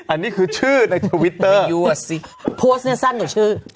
อันนี้คือชื่อในทวิตเตอร์โพสต์นี้สั้นกว่าชื่อ